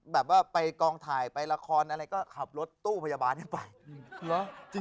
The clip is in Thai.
แบบว่าไปกองถ่ายไปละครอะไรก็ขับรถตู้พยาบาลให้ไป